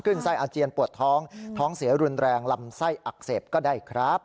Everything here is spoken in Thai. ไส้อาเจียนปวดท้องท้องเสียรุนแรงลำไส้อักเสบก็ได้ครับ